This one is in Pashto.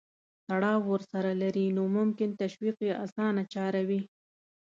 تړاو ورسره لري نو ممکن تشویق یې اسانه چاره وي.